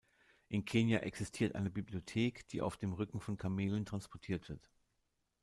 In Kenia existiert eine Bibliothek, die auf dem Rücken von Kamelen transportiert wird.